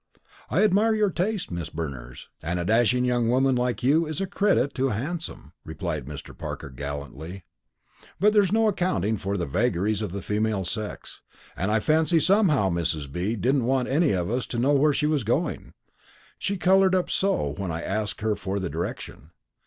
"I admire your taste, Miss Berners; and a dashing young woman like you's a credit to a hansom," replied Mr. Parker gallantly. "But there's no accounting for the vagaries of the female sex; and I fancy somehow Mrs. B. didn't want any of us to know where she was going; she coloured up so when I asked her for the direction.